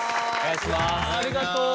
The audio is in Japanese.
ありがとう。